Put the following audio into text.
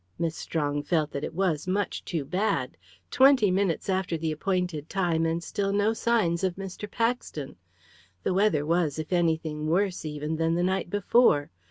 Miss Strong felt that it was much too bad! Twenty minutes after the appointed time, and still no signs of Mr. Paxton. The weather was, if anything, worse even than the night before.